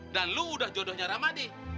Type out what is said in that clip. dan lu udah jodohnya ramadi